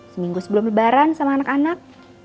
seminggu sebelum lebaran sama anak anak